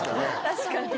確かに。